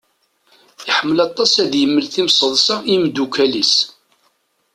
Iḥemmel aṭas ad d-imel timṣeḍsa i yimeddukal-is.